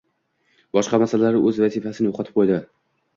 boshqa masalalar o‘z vaznini yo‘qotib qo‘yib